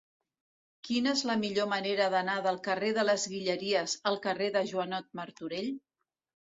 Quina és la millor manera d'anar del carrer de les Guilleries al carrer de Joanot Martorell?